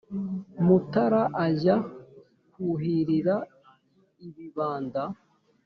mutára ajya kwuhirira ibibanda